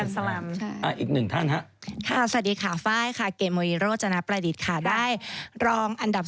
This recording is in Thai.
สวัสดีค่ะเกธโมยีโรจานะประดิษฐ์ได้รองอันดับ๔